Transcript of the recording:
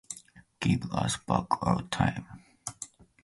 Give us back our time.